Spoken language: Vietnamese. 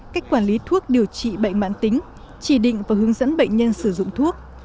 cách quản lý thuốc điều trị bệnh mạng tính chỉ định và hướng dẫn bệnh nhân sử dụng thuốc